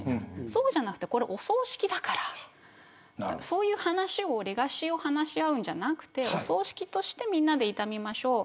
そうじゃなくてこれはお葬式だからレガシーを話し合うんじゃなくてお葬式としてみんなで悼みましょう。